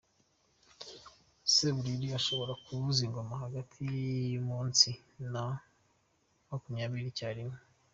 Seburiri ashobora kuvuza ingoma hagati y’icumi na makumyabiri icyarimwe.